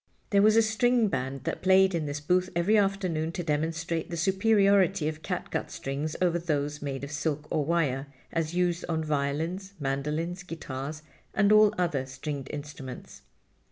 There was a string band that played in this booth every afternoon to demonstrate the superiority of cat gut strings over those made of silk or wire, as used on violins, mandolins, guitars and all other stringed instruments.